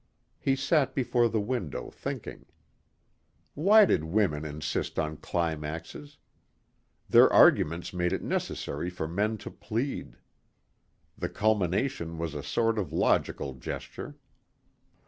He sat before the window thinking, Why did women insist on climaxes. Their arguments made it necessary for men to plead. The culmination was a sort of logical gesture.